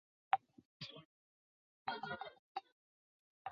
沙塘鳢碘泡虫为碘泡科碘泡虫属的动物。